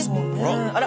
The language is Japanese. あら！